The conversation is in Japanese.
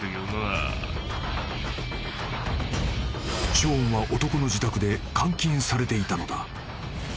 ［ショーンは男の自宅で監禁されていたのだ］